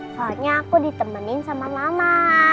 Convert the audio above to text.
soalnya aku ditemenin sama mama